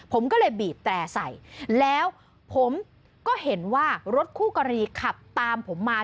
ผมก็เลยบีบแตร่ใส่แล้วผมก็เห็นว่ารถคู่กรณีขับตามผมมา